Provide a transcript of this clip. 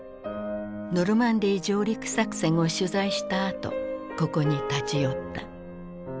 ノルマンディー上陸作戦を取材したあとここに立ち寄った。